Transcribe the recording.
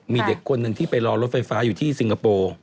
มีเด็กคนหนึ่งที่ไปรอรถไฟฟ้าอยู่ที่สิงคโปร์